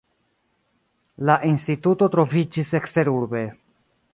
La instituto troviĝis eksterurbe.